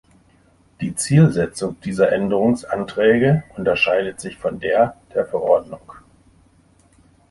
Die Zielsetzung dieser Änderungsanträge unterscheidet sich von der der Verordnung.